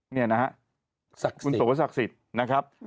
นี่นะฮะคุณโสศักดิ์สิทธิ์นะครับ